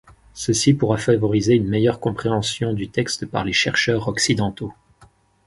Ceci pourra favoriser une meilleure compréhension du texte par les chercheurs occidentaux.